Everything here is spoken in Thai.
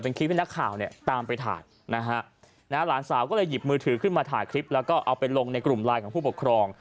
นะฮะร้านสาก็เลยหยิบมือถือขึ้นมาถ่ายคลิปแล้วก็เอาไปลงในกลุ่มไลน์ของผู้ปกครอง